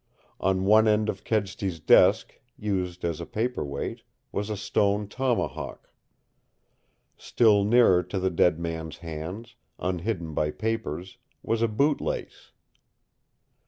On one end of Kedsty's desk, used as a paperweight, was a stone tomahawk. Still nearer to the dead man's hands, unhidden by papers, was a boot lace.